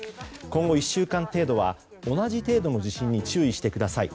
今後１週間程度は同じ程度の地震に注意してください。